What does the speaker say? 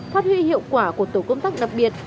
phát huy hiệu quả của tổ công tác đặc biệt